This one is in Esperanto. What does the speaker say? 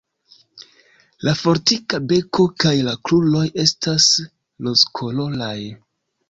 La fortika beko kaj la kruroj estas rozkoloraj.